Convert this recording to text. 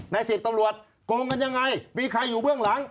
๑๐ตำรวจโกงกันยังไงมีใครอยู่เบื้องหลัง